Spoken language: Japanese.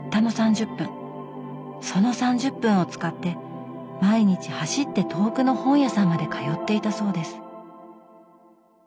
その３０分を使って毎日走って遠くの本屋さんまで通っていたそうです。